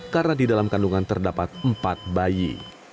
karena di dalam kandungan terdapat empat bayi